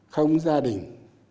không gia đình